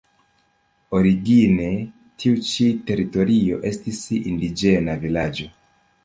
Origine tiu ĉi teritorio estis indiĝena vilaĝo.